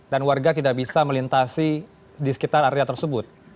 dan warga tidak bisa melintasi di sekitar area tersebut